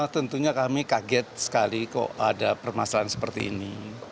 tentunya kami kaget sekali kok ada permasalahan seperti ini